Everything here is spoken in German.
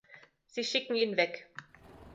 Sie schicken ihn weg.